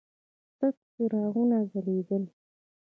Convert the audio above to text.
تت څراغونه ځلېدل.